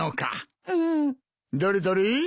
どれどれ。